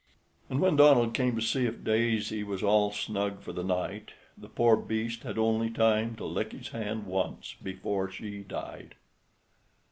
And when Donald came to see if Daisy was all snug for the night, the poor beast had only time to lick his hand once before she died.